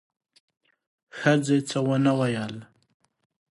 ښځې څه ونه ویل: